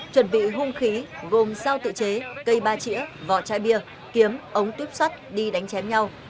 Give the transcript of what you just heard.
chuẩn bị hung khí gồm sao tự chế cây ba chỉa vỏ chai bia kiếm ống tuyếp sắt đi đánh chém nhau